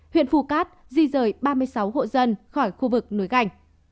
huyện phù cát di rời ba mươi sáu hộ dân khỏi khu vực núi gành